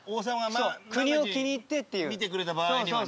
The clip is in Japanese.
見てくれた場合にはね。